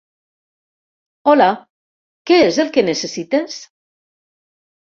Hola, què és el que necessites?